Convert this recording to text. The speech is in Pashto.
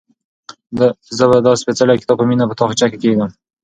زه به دا سپېڅلی کتاب په مینه په تاقچه کې کېږدم.